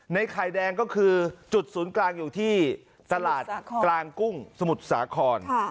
ไข่แดงก็คือจุดศูนย์กลางอยู่ที่ตลาดกลางกุ้งสมุทรสาคร